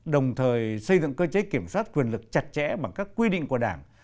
đồng thời xây dựng cơ chế kiểm soát quyền lực chặt chẽ bằng các quy định của đảng